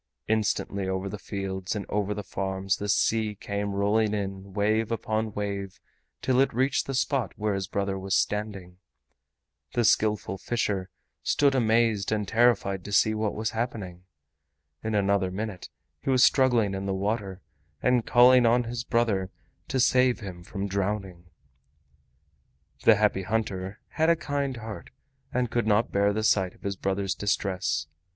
Instantly over the fields and over the farms the sea came rolling in wave upon wave till it reached the spot where his brother was standing. The Skillful Fisher stood amazed and terrified to see what was happening. In another minute he was struggling in the water and calling on his brother to save him from drowning. The Happy Hunter had a kind heart and could not bear the sight of his brother's distress.